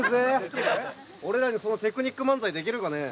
俺らにそのテクニック漫才できるかね？